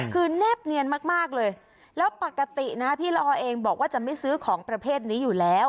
คือแนบเนียนมากเลยแล้วปกตินะพี่ละออเองบอกว่าจะไม่ซื้อของประเภทนี้อยู่แล้ว